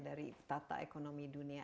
dari tata ekonomi dunia